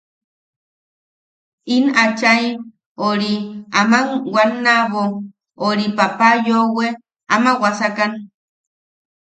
In achai ori aman wannabo ori papa yoʼowe ama wasakan.